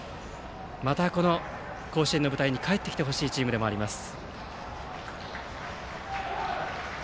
また、この甲子園の舞台に帰ってきてほしいチームでもあります。